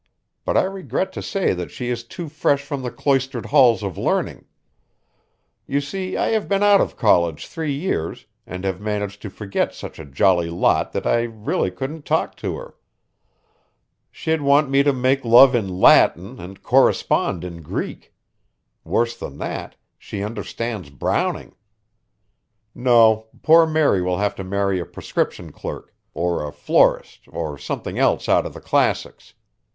But I regret to say that she is too fresh from the cloistered halls of learning. You see I have been out of college three years and have managed to forget such a jolly lot that I really couldn't talk to her. She'd want me to make love in Latin and correspond in Greek. Worse than that, she understands Browning. No, poor Mary will have to marry a prescription clerk, or a florist or something else out of the classics.